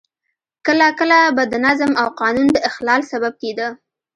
کله کله به د نظم او قانون د اخلال سبب کېده.